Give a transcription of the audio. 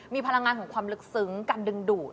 มีพลังงานของความลึกซึ้งการดึงดูด